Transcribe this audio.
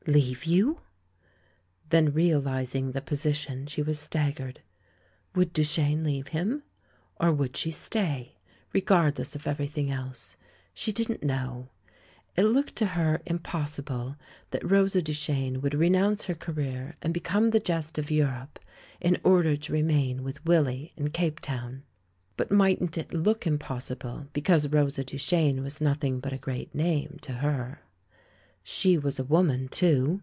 "Leave you?" Then realising the position, she was staggered. Would Duchene leave him? Or would she stay, regardless of everything else? She didn't know! It looked to her impossible that Bosa Duchene would renounce her career and become the jest of Europe, in order to re main with Willy in Cape Town. ... But mightn't it look impossible because Rosa Duchene was nothing but a great name to her? She was a woman, too.